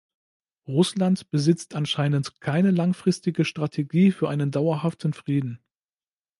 Russland besitzt anscheinend keine langfristige Strategie für einen dauerhaften Frieden.